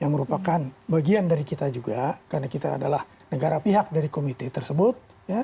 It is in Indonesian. yang merupakan bagian dari kita juga karena kita adalah negara pihak dari komite tersebut